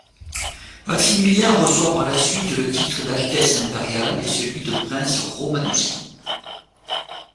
Maximilien reçoit par la suite le titre d'Altesse Impériale et celui de Prince Romanowski.